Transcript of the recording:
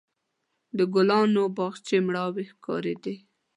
د ګلانو باغچې مړاوې ښکارېدې.